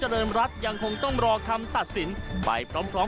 เรินรัฐยังคงต้องรอคำตัดสินไปพร้อม